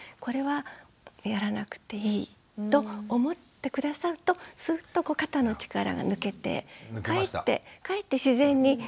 これはやらなくていいと思って下さるとすっと肩の力が抜けてかえって自然に。